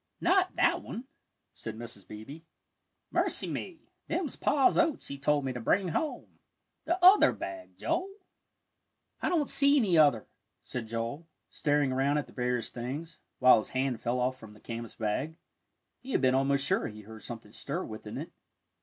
"Not that one," said Mrs. Beebe. "Mercy me, them's Pa's oats he told me to bring home the other bag, Joel." "I don't see any other," said Joel, staring around at the various things, while his hand fell off from the canvas bag. He had been almost sure he heard something stir within it.